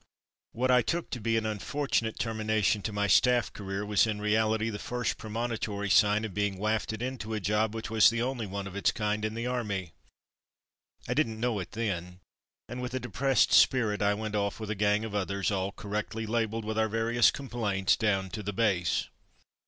What I took to be an unfortunate ter mination to my staff career was in reahty the first premonitory sign of being wafted into a job which was the only one of its kind in the army. I didn't know it then, and with a depressed spirit I went off with a gang of others, all correctly labelled with our various complaints, down to the base.